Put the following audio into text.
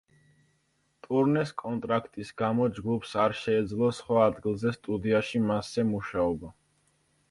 ტურნეს კონტრაქტის გამო ჯგუფს არ შეეძლო სხვა ადგილზე სტუდიაში მასზე მუშაობა.